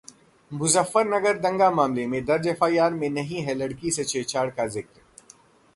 मुजफ्फरनगर दंगा मामले में दर्ज एफआईआर में नहीं है लड़की से छेड़छाड़ का जिक्र